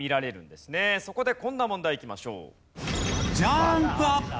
そこでこんな問題いきましょう。